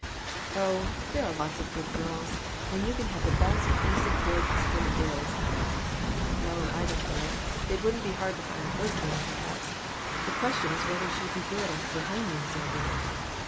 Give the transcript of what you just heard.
"Oh, there are lots of good girls, and you can have the best piece of goods there is." "Oh, I don't know. It wouldn't be hard to find a good girl, perhaps. The question is whether she'll be good after the honeymoon is over."